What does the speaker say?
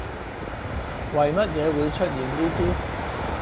為乜嘢會出現呢啲